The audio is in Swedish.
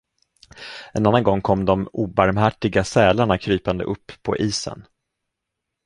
En annan gång kom de obarmhärtiga sälarna krypande upp på isen.